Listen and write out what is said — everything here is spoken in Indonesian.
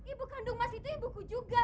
ibu kandung mas itu ibuku juga